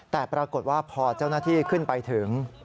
แต่ปรากฏว่าพอเจ้าหน้าที่ขึ้นไปถึง